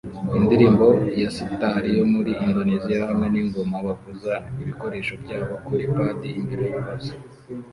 Indirimbo ya sitar yo muri Indoneziya hamwe ningoma bavuza ibikoresho byabo kuri padi imbere yuruzi